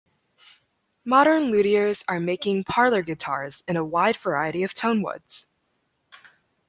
Modern luthiers are making parlor guitars in a wide variety of tonewoods.